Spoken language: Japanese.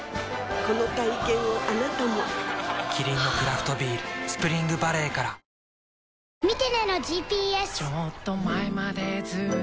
この体験をあなたもキリンのクラフトビール「スプリングバレー」からきたきた！